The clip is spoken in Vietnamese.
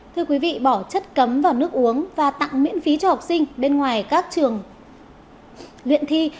thưa quý vị bỏ chất cấm vào nước uống và tặng miễn phí cho học sinh bên ngoài các trường luyện thi